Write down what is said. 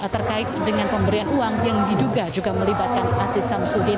terkait dengan pemberian uang yang diduga juga melibatkan aziz samsudin